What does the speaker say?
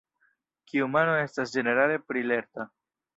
Kiu mano estas ĝenerale pli lerta?